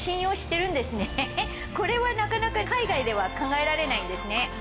これはなかなか海外では考えられないんですね。